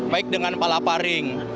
baik dengan palaparing